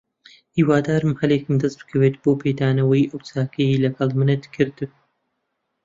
هیوادارم هەلێکم دەست بکەوێت بۆ پێدانەوەی ئەو چاکەیەی لەگەڵ منت کرد.